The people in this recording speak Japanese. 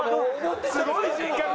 すごい人格だ！